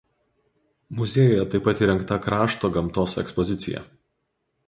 Muziejuje taip pat įrengta krašto gamtos ekspozicija.